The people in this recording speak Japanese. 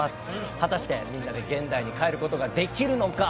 果たしてみんなで現代に帰ることができるのか？